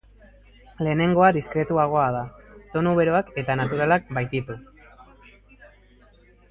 Lehenengoa diskretuagoa da, tonu beroak eta naturalak baititu.